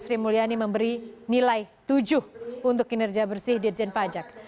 sri mulyani memberi nilai tujuh untuk kinerja bersih ditjen pajak